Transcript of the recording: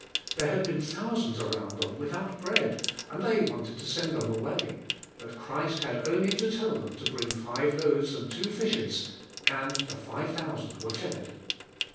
There had been thousands around them, without bread and they wanted to send them away, but Christ had only to tell them to bring five loaves and two fishes and the five thousand were fed.